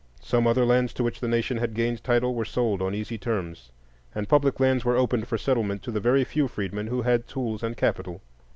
Some other lands to which the nation had gained title were sold on easy terms, and public lands were opened for settlement to the very few freedmen who had tools and capital.